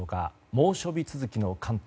猛暑日続きの関東